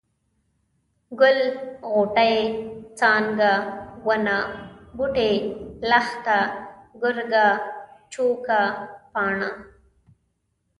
ګل، غوټۍ، څانګه ، ونه ، بوټی، لښته ، ګرګه ، چوکه ، پاڼه،